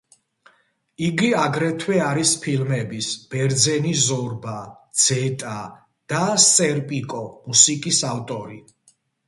იგი აგრეთვე არის ფილმების „ბერძენი ზორბა“, „ძეტა“ და „სერპიკო“ მუსიკის ავტორი.